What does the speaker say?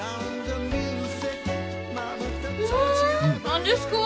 何ですか？